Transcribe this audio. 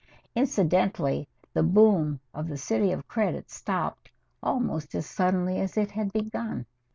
Incidentally the boom in "The City of Credit" stopped almost as suddenly as it had begun.